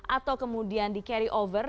atau kemudian di carry over